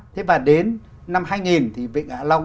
thế và đến năm hai nghìn thì vịnh hạ long